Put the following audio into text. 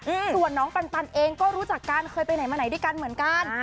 อืมส่วนน้องปันปันเองก็รู้จักกันเคยไปไหนมาไหนด้วยกันเหมือนกัน